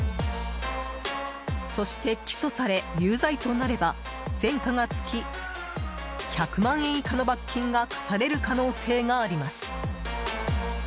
そして起訴され有罪となれば前科がつき１００万円以下の罰金が科される可能性があります。